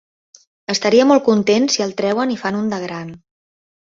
Estaria molt content si el treuen i fan un de gran".